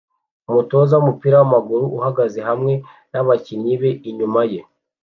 Umutoza wumupira wamaguru uhagaze hamwe nabakinnyi be inyuma ye